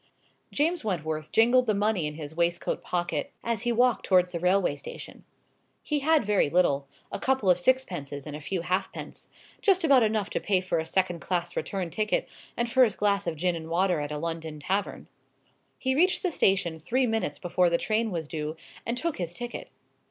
James Wentworth jingled the money in his waistcoat pocket as he walked towards the railway station. He had very little; a couple of sixpences and a few halfpence. Just about enough to pay for a second class return ticket, and for his glass of gin and water at a London tavern. He reached the station three minutes before the train was due, and took his ticket.